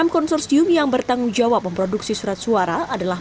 enam konsorsium yang bertanggung jawab memproduksi surat suara adalah